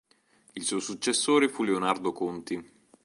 Il suo successore fu Leonardo Conti.